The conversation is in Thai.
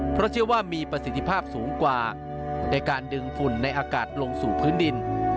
เพราะเชื่อว่ามีประสิทธิภาพสูงกว่าในการดึงฝุ่นในอากาศลงสู่พื้นดิน